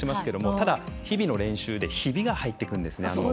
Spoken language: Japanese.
ただ、日々の練習でヒビが入ってくるんですね。